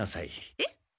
えっ？